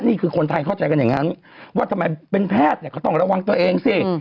นี่คือคนไทยเข้าใจกันอย่างนั้นว่าทำไมเป็นแพทย์เนี่ยก็ต้องระวังตัวเองสิ